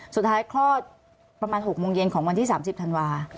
สุดท้ายคลอดประมาณ๖โมงเย็นของวันที่๓๐ธันวาค์